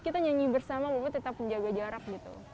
kita nyanyi bersama bapak tetap menjaga jarak gitu